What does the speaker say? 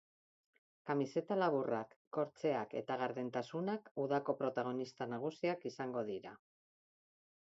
Kamiseta laburrak, kortseak eta gardentasunak udako protagonista nagusiak izango dira.